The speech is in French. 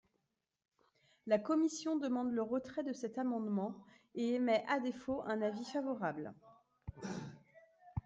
La commission demande le retrait de cet amendement et émet à défaut un avis favorable.